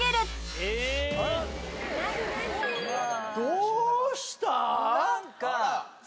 どうした？